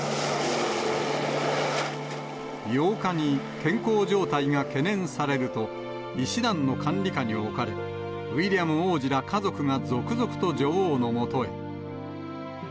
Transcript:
８日に健康状態が懸念されると、医師団の管理下に置かれ、ウィリアム王子ら家族が続々と女王のもとへ。